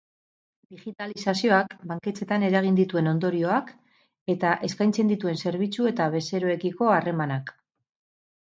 Digitalizazioak banketxeetan eragin dituen ondorioak, eta eskaintzen dituen zerbitzu eta bezeroekiko harremanak.